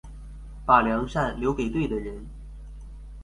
把良善留給對的人